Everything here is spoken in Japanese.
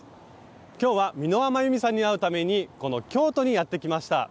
今日は美濃羽まゆみさんに会うために京都にやって来ました。